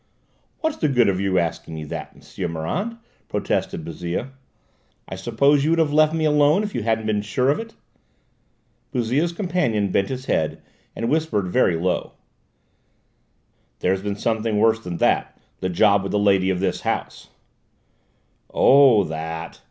"What's the good of your asking me that, M'sieu Morand?" protested Bouzille. "I suppose you would have left me alone if you hadn't been sure of it?" Bouzille's companion bent his head and whispered very low: "There has been something worse than that: the job with the lady of this house." "Oh, that!"